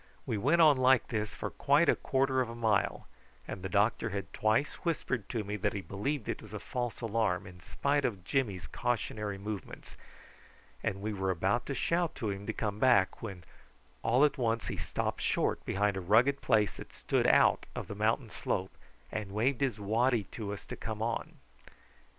We went on like this for quite a quarter of a mile, and the doctor had twice whispered to me that he believed it was a false alarm, in spite of Jimmy's cautionary movements, and we were about to shout to him to come back, when all at once he stopped short behind a rugged place that stood out of the mountain slope, and waved his waddy to us to come on.